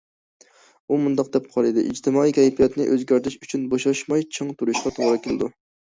ئۇ مۇنداق دەپ قارىدى ئىجتىمائىي كەيپىياتنى ئۆزگەرتىش ئۈچۈن بوشاشماي چىڭ تۇرۇشقا توغرا كېلىدۇ.